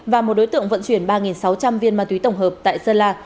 và một đối tượng vận chuyển ba sáu trăm linh viên ma túy tổng hợp tại sơn la